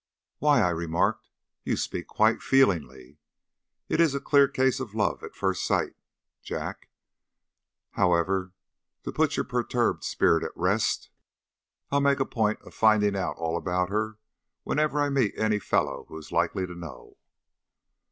"Why," I remarked, "you speak quite feelingly. It is a clear case of love at first sight, Jack. However, to put your perturbed spirit at rest, I'll make a point of finding out all about her whenever I meet any fellow who is likely to know."